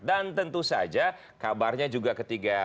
dan tentu saja kabarnya juga ketika